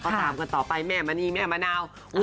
ก็ตามกันต่อไปแม่มณีแม่มะนาว